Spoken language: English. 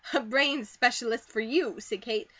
"A brain specialist for you," said Kate.